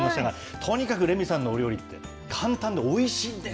とにかくレミさんのお料理って、簡単でおいしいんです。